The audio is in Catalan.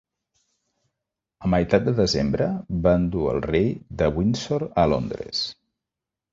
A meitat de desembre, van dur el rei de Windsor a Londres.